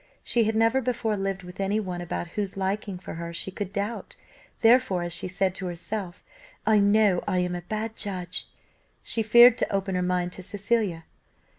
She had never before lived with any one about whose liking for her she could doubt, therefore, as she said to herself, "I know I am a bad judge." She feared to open her mind to Cecilia.